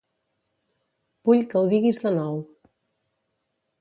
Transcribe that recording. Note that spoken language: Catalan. Vull que ho diguis de nou.